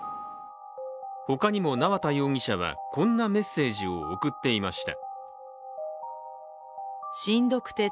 他にも縄田容疑者はこんなメッセージを送っていました。